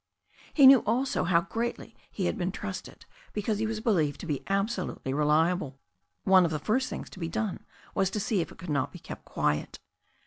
He knew, also, how greatly he had been trusted because he was believed to be absolutely reliable. One of the first things to be done was to see if it could not be kept quiet.